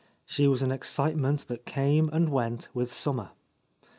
She was an excite ment that came and went with summer.